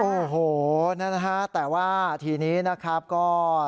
โอ้โหนั่นนะฮะแต่ว่าทีนี้นะครับก็